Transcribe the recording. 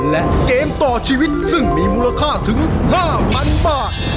และเกมต่อชีวิตซึ่งมีมูลค่าถึง๕๐๐๐บาท